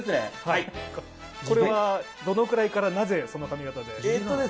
これはどのくらいから、なぜその髪形で？